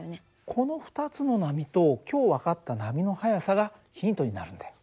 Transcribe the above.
この２つの波と今日分かった波の速さがヒントになるんだよ。